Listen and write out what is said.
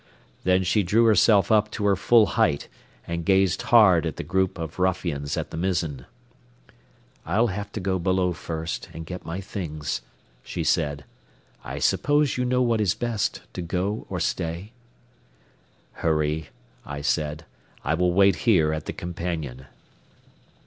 Then she drew herself up to her full height, and gazed hard at the group of ruffians at the mizzen. "I'll have to go below first, and get my things," she said. "I suppose you know what is best, to go or stay?" "Hurry," I said. "I will wait here at the companion."